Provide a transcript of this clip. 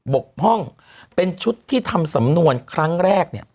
บกพร่องเป็นชุดที่ทำสำนวนครั้งแรก